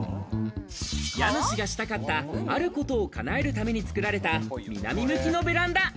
家主がしたかったあることを叶えるために作られた南向きのベランダ。